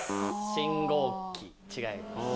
信号機違います。